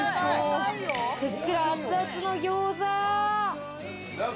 ふっくら熱々の餃子。